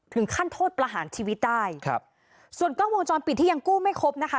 โทษประหารชีวิตได้ครับส่วนกล้องวงจรปิดที่ยังกู้ไม่ครบนะคะ